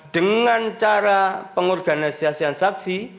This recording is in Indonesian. dengan cara pengorganisasian saksi